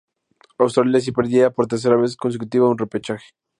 Australia así perdía por tercera vez consecutiva un repechaje.